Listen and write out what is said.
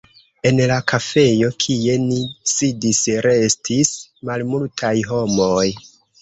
En la kafejo, kie ni sidis, restis malmultaj homoj.